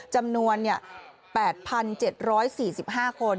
จำนวน๘๗๔๕คน